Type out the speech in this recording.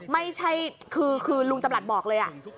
ไม่ใช่คือลุงจำหลัดบอกเลย